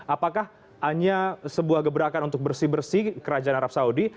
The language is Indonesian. apakah hanya sebuah gebrakan untuk bersih bersih kerajaan arab saudi